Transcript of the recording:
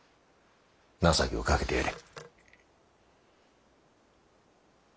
情けをかけてやれ。